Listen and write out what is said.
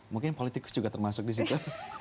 mungkin politikus juga termasuk disitu